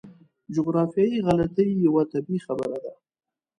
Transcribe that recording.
جغرافیایي غلطي یوه طبیعي خبره ده.